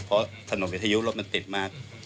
เพราะถนนวิทยุรถมันติดมาก